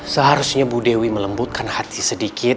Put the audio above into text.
seharusnya bu dewi melembutkan hati sedikit